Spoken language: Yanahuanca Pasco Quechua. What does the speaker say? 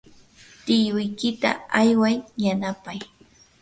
tiyuykita ayway yanapay.